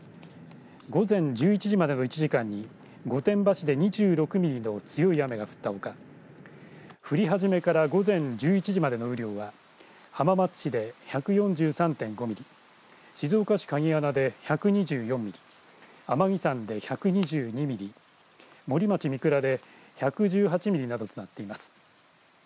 午前１１時までの１時間に御殿場市で２６ミリの強い雨が降ったほか降り始めから午前１１時までの雨量は浜松市で１４３．５ミリ静岡市鍵穴で１２４ミリ天城山で１２２ミリ森町三倉で１１８ミリなどとなっています。